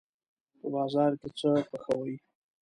په بازار کې څه خوښوئ؟